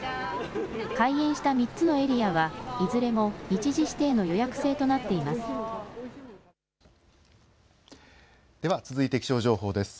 開園した３つのエリアはいずれも日時指定の予約制となっています。